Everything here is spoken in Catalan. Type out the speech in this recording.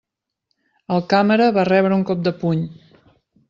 El càmera va rebre un cop de puny.